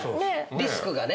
リスクがね。